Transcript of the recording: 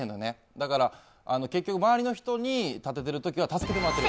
だから結局、周りの人に立ててるときは助けてもらってる。